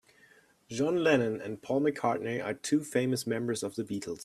John Lennon and Paul McCartney are two famous members of the Beatles.